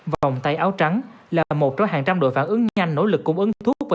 vòng tay áo trắng là một trong hàng trăm đội phản ứng nhanh nỗ lực cung ứng thuốc và